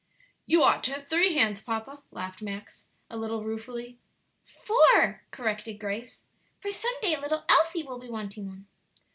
"You ought to have three hands, papa," laughed Max a little ruefully. "Four," corrected Grace; "for some day little Elsie will be wanting one."